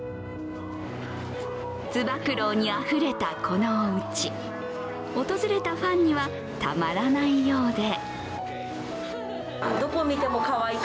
つば九郎にあふれたこのおうち訪れたファンにはたまらないようで。